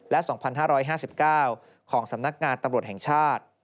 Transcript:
และ๒๕๕๙ของสำนักงานตำรวจแห่งชาติ